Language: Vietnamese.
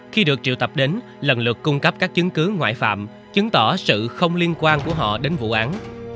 khi được triệu tập đến lần lượt cung cấp các chứng cứ ngoại phạm chứng tỏ sự không liên quan của họ đến vụ án